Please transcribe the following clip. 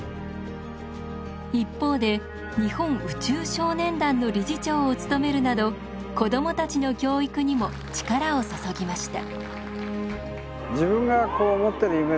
一方で日本宇宙少年団の理事長を務めるなど子供たちの教育にも力を注ぎました。